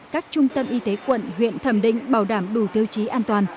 các trung tâm y tế quận huyện thẩm định bảo đảm đủ tiêu chí an toàn